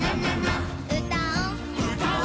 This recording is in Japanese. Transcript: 「うたお」うたお。